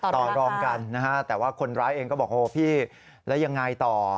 ต่อรองกันนะฮะแต่ว่าคนร้ายเองก็บอกโหพี่แล้วยังไงต่อ